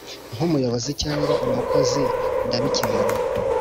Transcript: nk umuyobozi cyangwa umukozi ndabikemura